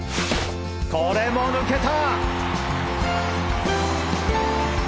これも抜けた！